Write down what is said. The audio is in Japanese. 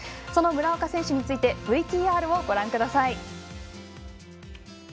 その村岡選手についてＶＴＲをご覧ください。